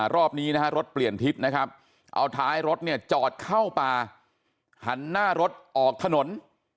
รอบนี้นะฮะรถเปลี่ยนทิศนะครับเอาท้ายรถเนี่ยจอดเข้าป่าหันหน้ารถออกถนน